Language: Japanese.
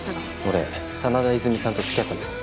俺真田和泉さんと付き合ってます。